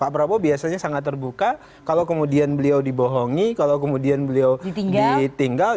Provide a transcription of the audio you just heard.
pak prabowo biasanya sangat terbuka kalau kemudian beliau dibohongi kalau kemudian beliau ditinggal